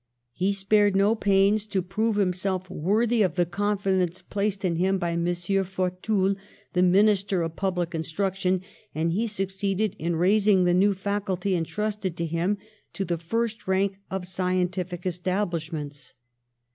He spared no pains to prove himself worthy of the confidence placed in him by M. Fortoul, the Minister of Public Instruction, and he succeeded in raising the new Faculty entrusted to him to the first rank of scientific establishments.